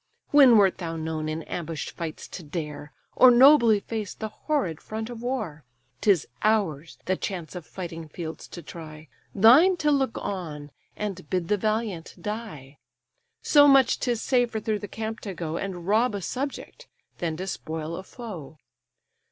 When wert thou known in ambush'd fights to dare, Or nobly face the horrid front of war? 'Tis ours, the chance of fighting fields to try; Thine to look on, and bid the valiant die: So much 'tis safer through the camp to go, And rob a subject, than despoil a foe.